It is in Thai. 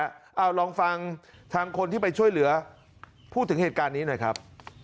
เอาลองฟังทางคนที่ไปช่วยเหลือพูดถึงเหตุการณ์นี้หน่อยครับ